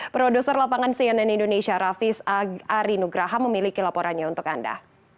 produser lapangan cnn indonesia raffis ari nugraha memiliki laporannya untuk anda